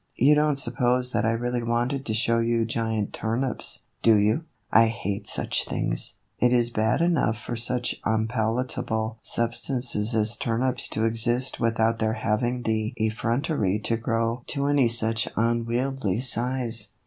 You don't sup pose that I really wanted to show you giant turnips, do you ? I hate such things. It is bad enough for such unpalatable substances as turnips to exist without their having the effrontery to grow to any THE EVOLUTION OF A BONNET. 135 such unwieldy size.